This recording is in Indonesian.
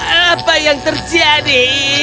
apa yang terjadi